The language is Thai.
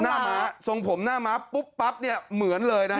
ม้าทรงผมหน้าม้าปุ๊บปั๊บเนี่ยเหมือนเลยนะฮะ